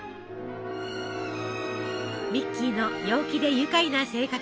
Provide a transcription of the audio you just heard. ミッキーの陽気で愉快な性格